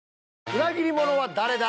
裏切り者は誰だ？